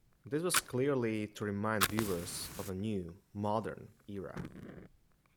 This was clearly to remind viewers of a new modern era.